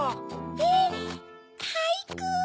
えっはいく？